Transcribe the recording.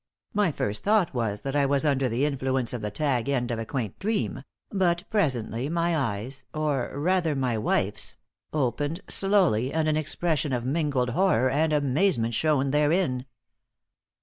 My first thought was that I was under the influence of the tag end of a quaint dream, but presently my eyes, or rather my wife's, opened slowly and an expression of mingled horror and amazement shone therein.